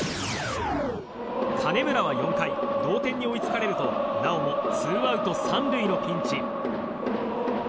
金村は４回同点に追いつかれるとなおもツーアウト３塁のピンチ。